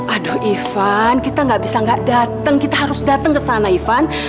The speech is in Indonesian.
aduh ivan kita gak bisa gak dateng kita harus dateng kesana ivan